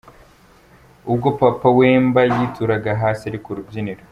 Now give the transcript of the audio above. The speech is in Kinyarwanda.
Ubwo Papa Wemba yituraga hasi ari kurubyiniro